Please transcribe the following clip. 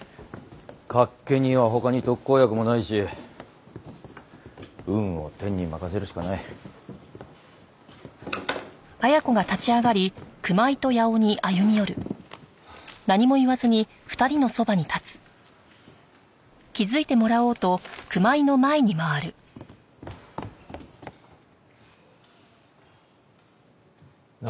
脚気には他に特効薬もないし運を天に任せるしかない。何？